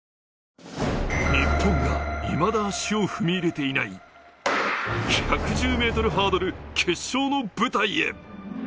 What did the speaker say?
日本がいまだ足を踏み入れていない、１１０ｍハードル決勝の舞台へ。